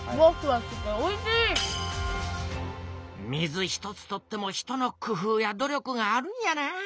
水一つとっても人の工ふうや努力があるんやな。